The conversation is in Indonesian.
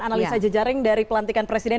analisa jejaring dari pelantikan presiden